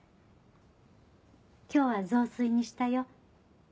今日は雑炊にしたよ。